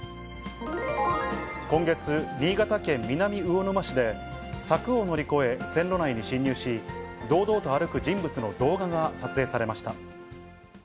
今月、新潟県南魚沼市で、柵を乗り越え、線路内に侵入し、堂々と歩く人物の動画が撮影されました。